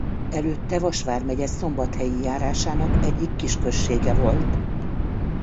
Előtte Vas vármegye Szombathelyi járásának egyik kisközsége volt.